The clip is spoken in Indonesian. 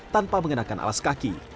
tanpa mengenakan alas kaki